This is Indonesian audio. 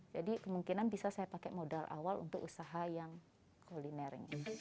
kemungkinan bisa saya pakai modal awal untuk usaha yang kulinering